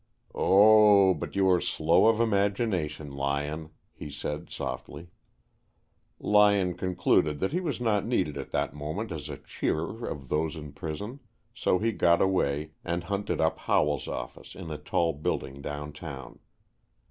"Oh, but you are slow of imagination, Lyon," he said, softly. Lyon concluded that he was not needed at that moment as a cheerer of those in prison, so he got away, and hunted up Howell's office in a tall office building down town.